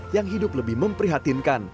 yang hidup lebih memprihatinkan